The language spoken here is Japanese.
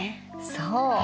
そう。